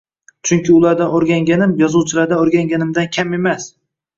Chunki ulardan oʻrganganim yozuvchilardan oʻrganganimdan kam emas